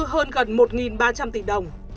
hơn gần một ba trăm linh tỉ đồng